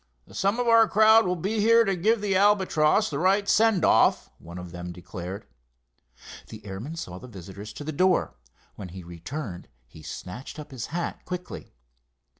"Some of our crowd will be here to give the Albatross the right send off," one of them declared. The airman saw the visitors to the door. When he returned he snatched up his hat quickly.